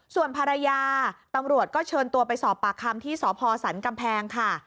ส่วนภรรยาตำรวจก็เชิญตัวไปสอบปากคำที่สพสันกำแพงค่ะ